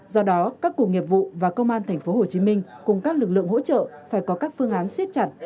do đó các cuộc nghiệp vụ và công an tp hcm cùng các lực lượng hỗ trợ phải có các phương án siết chặt